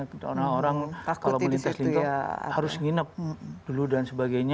karena orang kalau melintas linggo harus nginep dulu dan sebagainya